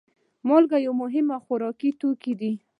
مالګه یو مهم خوراکي توکی دی.